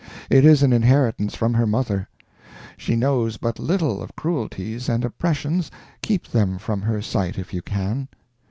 It is an inheritance from her mother. She knows but little of cruelties and oppressions—keep them from her sight if you can.